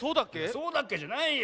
そうだっけじゃないよ。